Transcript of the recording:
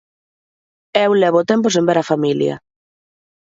Eu levo tempo sen ver a familia.